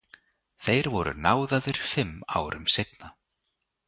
Þeir voru náðaðir fimm árum seinna.